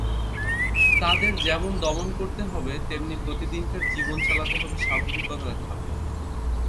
তাদের যেমন দমন করতে হবে, তেমনি প্রতিদিনকার জীবন চালাতে হবে স্বাভাবিকতার খাতে।